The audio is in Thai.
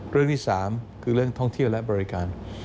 เรื่องที่๓คือเรื่องท่องเที่ยวและบริการ